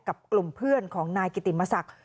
กับกลุ่มเพื่อนของนายกิติมศักดิ์